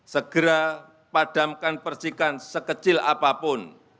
segera padamkan percikan sekecil apapun